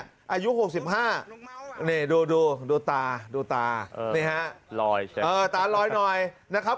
อายุ๖๕นี่ดูดูตาดูตานี่ฮะตาลอยหน่อยนะครับ